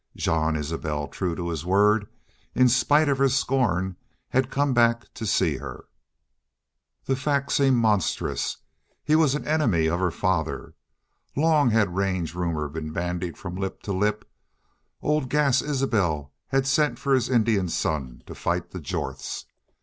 Jean Isbel, true to his word, in spite of her scorn, had come back to see her. The fact seemed monstrous. He was an enemy of her father. Long had range rumor been bandied from lip to lip old Gass Isbel had sent for his Indian son to fight the Jorths.